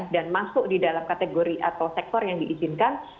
dan masuk di dalam kategori atau sektor yang diizinkan